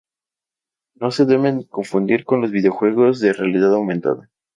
No se deben confundir con los videojuegos de realidad aumentada.